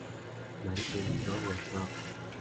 南雲交流道